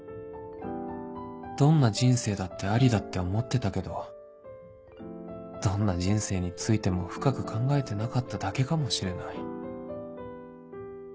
どんな人生だってありだって思ってたけどどんな人生についても深く考えてなかっただけかもしれない